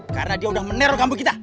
karena dia udah menerok kampung kita